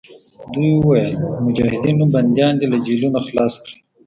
دوی ویل د مجاهدینو بندیان دې له جېلونو خلاص کړي.